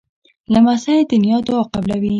لمسی د نیا دعا قبلوي.